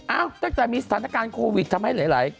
ตั้งแต่มีสถานการณ์โควิดทำให้หลาย